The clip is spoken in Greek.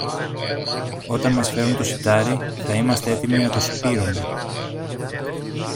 Όταν μας φέρουν το σιτάρι, θα είμαστε έτοιμοι να το σπείρομε.